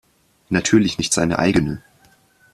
Natürlich nicht seine eigene.